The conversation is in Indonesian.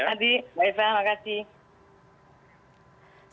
salam adi baik terima kasih